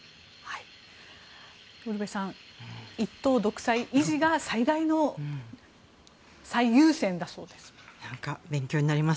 ウルヴェさん一党独裁維持が最優先だそうです。